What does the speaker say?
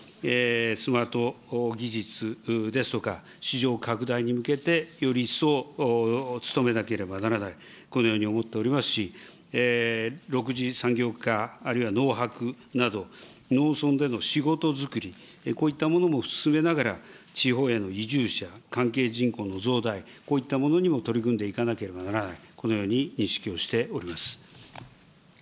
スマート技術ですとか、市場拡大に向けて、より一層努めなければならない、このように思っておりますし、六次産業化、あるいは、農泊など、農村での仕事づくり、こういったものも進めながら、地方への移住者、関係人口の増大、こういったものにも取り組んでいかなければならない、このように認識をしております。